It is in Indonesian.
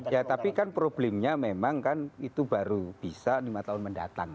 ya tapi kan problemnya memang kan itu baru bisa lima tahun mendatang